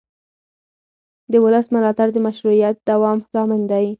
د ولس ملاتړ د مشروعیت دوام ضامن دی